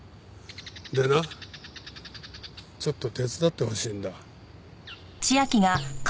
でなちょっと手伝ってほしいんだ。